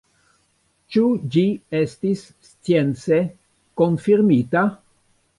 Ĉu ĝi estis science konfirmita?